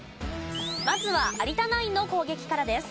まずは有田ナインの攻撃からです。